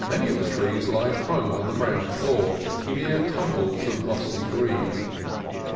Many of the trees lie prone on the brown floor, mere tumbles of mossy green.